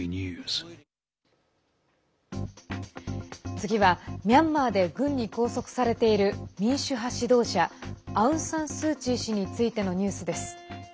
次はミャンマーで軍に拘束されている民主派指導者アウン・サン・スー・チー氏についてのニュースです。